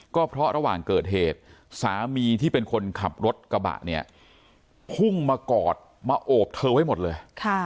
ก็เพราะระหว่างเกิดเหตุสามีที่เป็นคนขับรถกระบะเนี่ยพุ่งมากอดมาโอบเธอไว้หมดเลย